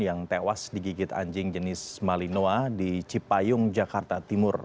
yang tewas digigit anjing jenis malinoa di cipayung jakarta timur